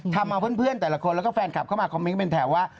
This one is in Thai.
ทำเอาเพื่อนแต่ละคนแล้วก็แฟนคลับเข้ามาคอมเมนต์เป็นแถวว่า